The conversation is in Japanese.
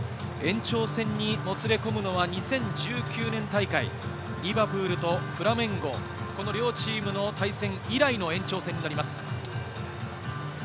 延長戦にもつれ込むのは２０１９年大会、リバプールとフラメンゴ、この両チームの対戦以来の延長戦になります。